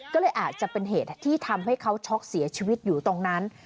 ก็เลยอาจจะเป็นเหตุที่ทำให้เขาช็อกเสียชีวิตอยู่ตรงนั้น